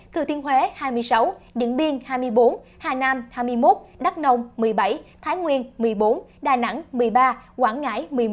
thừa thiên huế hai mươi sáu điện biên hai mươi bốn hà nam hai mươi một đắk nông một mươi bảy thái nguyên một mươi bốn đà nẵng một mươi ba quảng ngãi